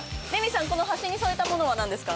この端に添えたものは何ですか？